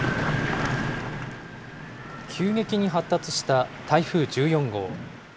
急激に発達した台風１４号。